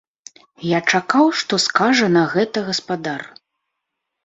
Я чакаў, што скажа на гэта гаспадар.